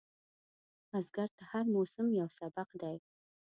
بزګر ته هر موسم یو سبق دی